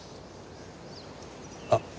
あっ